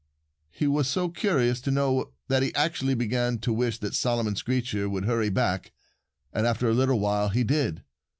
He was so curious to know that he actually began to wish that Simon Screecher would hurry back. And after a little while he did.